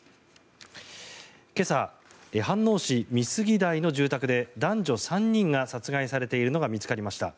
今朝、飯能市美杉台の住宅で男女３人が殺害されているのが見つかりました。